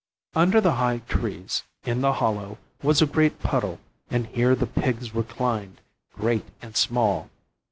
Under the high trees, in the hollow, was a great puddle, and here the pigs reclined, great and small.